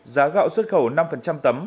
giá gạo xuất khẩu năm tấm